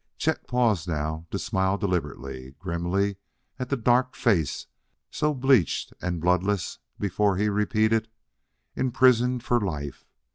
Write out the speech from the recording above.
Chet paused now, to smile deliberately, grimly at the dark face so bleached and bloodless, before he repeated: "Imprisonment for life!